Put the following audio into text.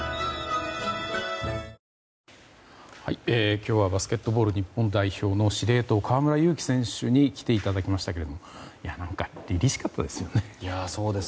今日はバスケットボール日本代表の司令塔、河村勇輝選手に来ていただきましたがなんか、りりしかったですよね。